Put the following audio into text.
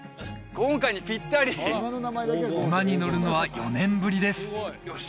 今回にピッタリ馬に乗るのは４年ぶりですよし